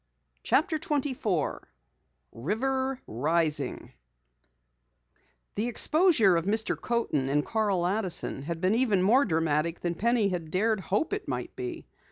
CHAPTER 24 RIVER RISING The exposure of Mr. Coaten and Carl Addison had been even more dramatic than Penny had dared hope it might be.